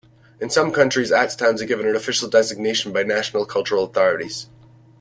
In some countries arts towns are given an official designation by national cultural authorities.